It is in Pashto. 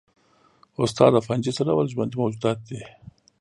استاده فنجي څه ډول ژوندي موجودات دي